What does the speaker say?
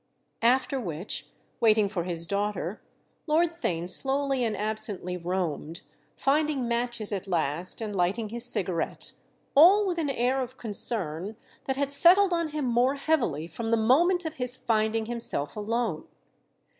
After which, waiting for his daughter, Lord Theign slowly and absently roamed, finding matches at last and lighting his cigarette—all with an air of concern that had settled on him more heavily from the moment of his finding himself alone.